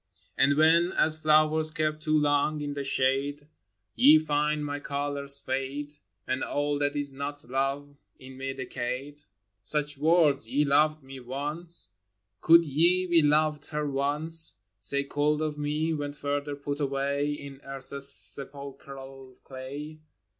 LOVED ONCE. And when, as flowers kept too long in the shade, Ye find my colors fade, And all that is not love in me decayed ?— Such words — ye loved me once / Could ye, " We loved her once ," Say cold of me, when further put away In earth's sepulchral clay?